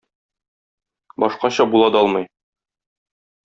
Башкача була да алмый.